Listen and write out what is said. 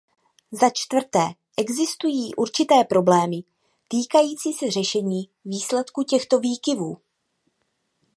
Začtvrté, existují určité problémy týkající se řešení výsledku těchto výkyvů.